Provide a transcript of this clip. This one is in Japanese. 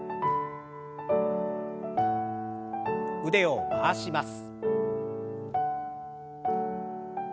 腕を回します。